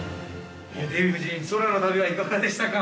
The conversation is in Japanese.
◆デヴィ夫人、空の旅はいかがでしたか。